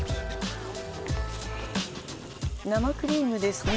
生クリームですね。